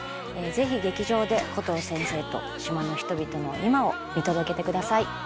ぜひ劇場でコトー先生と島の人々の今を見届けてください。